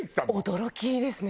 驚きですね。